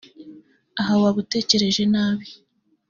Aha waba utekereje nabi